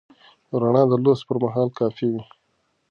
رڼا د لوست پر مهال کافي وي.